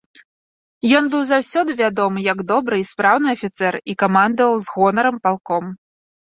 Ён быў заўсёды вядомы як добры і спраўны афіцэр і камандаваў з гонарам палком.